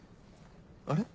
あれ？